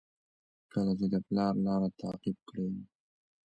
کله چې د پلار لاره تعقیب کړئ.